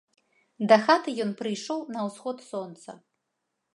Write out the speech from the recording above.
Дахаты ён прыйшоў на ўсход сонца.